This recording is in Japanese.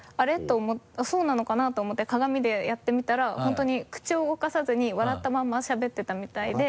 「そうなのかな？」と思って鏡でやってみたら本当に口を動かさずに笑ったまましゃべってたみたいで。